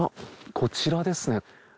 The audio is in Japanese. こちらですね。